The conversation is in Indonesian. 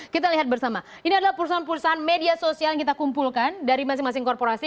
kita lihat bersama ini adalah perusahaan perusahaan media sosial yang kita kumpulkan dari masing masing korporasi